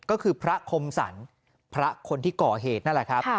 ก็คือพระคมสรรพระคนที่ก่อเหตุนั่นแหละครับ